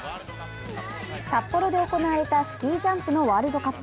札幌で行われたスキージャンプのワールドカップ。